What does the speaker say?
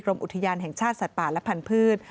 อุทยานแห่งชาติสัตว์ป่าและพันธุ์